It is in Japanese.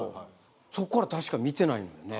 そこから確か見てないのよね。